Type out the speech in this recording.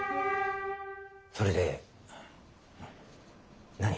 それで何？